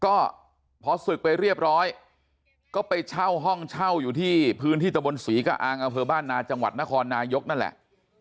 ก็พอศึกไปเรียบร้อยก็ไปเช่าห้องเช่าอยู่ที่พื้นที่ตะบนศรีกะอางอำเภอบ้านนาจังหวัดนครนายกนั่นแหละ